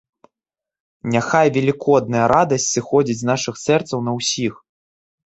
Няхай велікодная радасць зыходзіць з нашых сэрцаў на ўсіх!